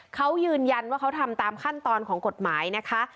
เขายืนยันว่าเขาทำตามขั้นตอนของกฎหมายนะคะ